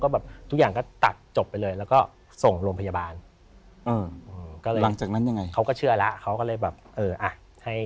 บอกว่าเดี๋ยวผมจัดการให้